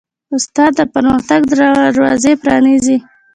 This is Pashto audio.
استاد د پرمختګ دروازې پرانیزي.